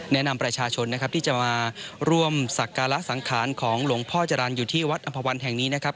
แนะนำประชาชนนะครับที่จะมาร่วมสักการะสังขารของหลวงพ่อจรรย์อยู่ที่วัดอำภาวันแห่งนี้นะครับ